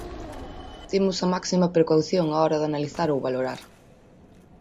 Temos a máxima precaución á hora de analizar ou valorar.